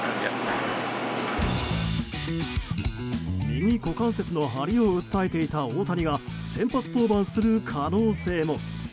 右股関節の張りを訴えていた大谷が先発登板する可能性も。